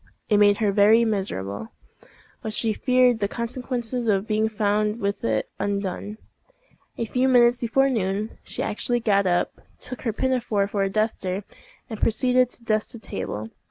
It made her very miserable, but she feared the consequences of being found with it undone. A few minutes before noon, she actually got up, took her pinafore for a duster, and proceeded to dust the table.